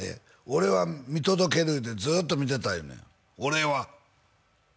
俺は見届けるいうてずっと見てた言うねん「俺は」